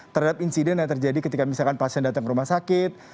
terhadap insiden yang terjadi ketika misalkan pasien datang ke rumah sakit